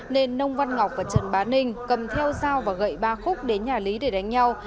nên nông văn ngọc và trần bá ninh cầm theo dao và gậy ba khúc đến nhà lý để đánh nhau